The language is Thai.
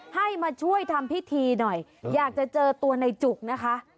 ให้มาช่วยทำพิธีหน่อยอยากจะเจอตัวในจุกนะคะ